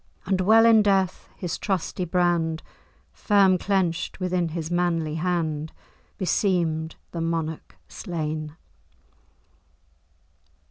And well in death his trusty brand, Firm clench'd within his manly hand Beseem'd the Monarch slain."